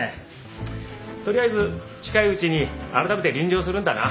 とりあえず近いうちに改めて臨場するんだな。